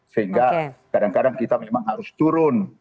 sehingga kadang kadang kita memang harus turun